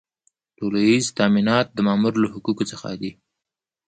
ټولیز تامینات د مامور له حقوقو څخه دي.